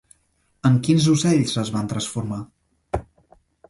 En quins ocells es van transformar?